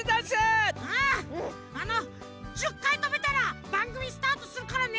あの１０かいとべたらばんぐみスタートするからね！